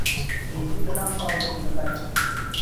فەسیبووک لە کام ساڵ دەستی بەکار کرد؟